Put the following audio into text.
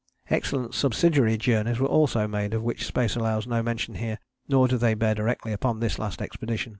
Excellent subsidiary journeys were also made of which space allows no mention here: nor do they bear directly upon this last expedition.